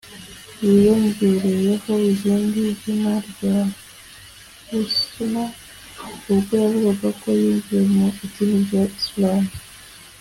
wiyongereyeho irindi zina rya Housna ubwo yavugaga ko yinjiye mu idini rya Isilamu